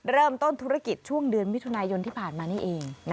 เริ่มต้นธุรกิจช่วงเดือนมิถุนายนที่ผ่านมานี่เอง